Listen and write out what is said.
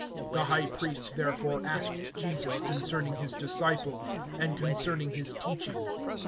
(19)The high priest therefore asked Jesus concerning his disciples, and concerning his teaching.